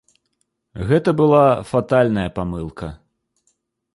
Гэта была фатальная памылка.